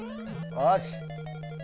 よし！